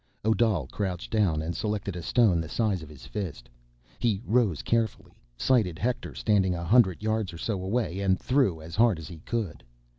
Odal crouched down and selected a stone the size of his fist. He rose carefully, sighted Hector standing a hundred yards or so away, and threw as hard as he could.